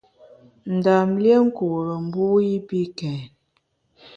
Ndam lié nkure mbu i pi kèn.